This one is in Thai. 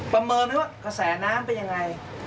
ประเมินไหมว่ากระแสน้ำเป็นยังไง